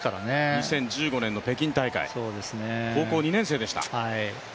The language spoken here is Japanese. ２０１５年の北京大会、高校２年生でした。